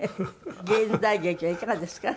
現代劇はいかがですか？